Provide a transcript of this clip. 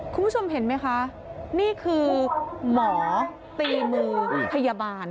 คุณผู้ชมเห็นไหมคะนี่คือหมอตีมือพยาบาล